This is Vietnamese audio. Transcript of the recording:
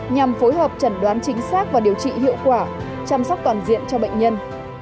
nhằm phối hợp chẩn đoán chính xác và điều trị hiệu quả chăm sóc toàn diện cho bệnh nhân